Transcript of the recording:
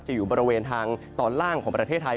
อยู่บริเวณทางตอนล่างของประเทศไทย